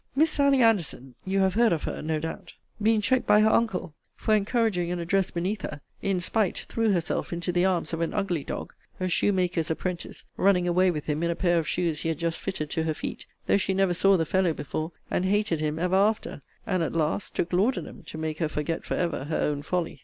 Miss SALLY ANDERSON, [You have heard of her, no doubt?] being checked by her uncle for encouraging an address beneath her, in spite, threw herself into the arms of an ugly dog, a shoe maker's apprentice, running away with him in a pair of shoes he had just fitted to her feet, though she never saw the fellow before, and hated him ever after: and, at last, took laudanum to make her forget for ever her own folly.